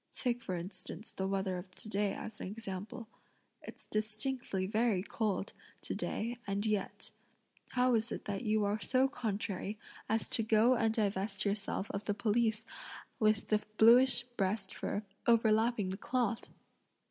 Take for instance the weather of to day as an example. It's distinctly very cold, to day, and yet, how is it that you are so contrary as to go and divest yourself of the pelisse with the bluish breast fur overlapping the cloth?"